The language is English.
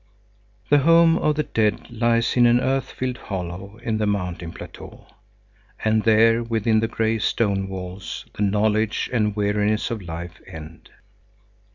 The home of the dead lies in an earth filled hollow in the mountain plateau. And there, within the grey stone walls, the knowledge and weariness of life end.